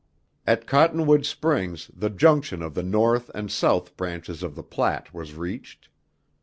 At Cottonwood Springs the junction of the North and South branches of the Platte was reached.